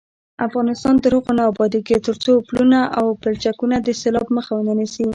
افغانستان تر هغو نه ابادیږي، ترڅو پلونه او پلچکونه د سیلاب مخه ونه نیسي.